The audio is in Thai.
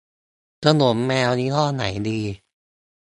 ขนมแมว ยี่ห้อไหนดี